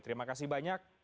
terima kasih banyak